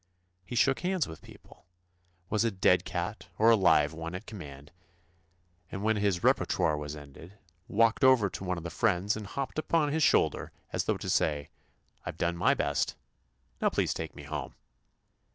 He shook hands with people, 132 TOMMY POSTOFFICE was a ''dead cat" or a "live one" at command, and, when his repertoire was ended, walked over to one of his friends and hopped upon his shoulder as though to say: "I've done my best, now please take me home."